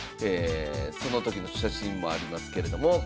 その時の写真もありますけれども。